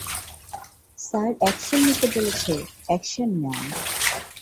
Sir action নিতে বলেছে, action নেন।